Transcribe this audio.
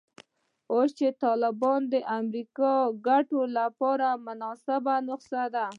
اوس چې طالب د امریکا ګټو لپاره مناسبه نسخه ده.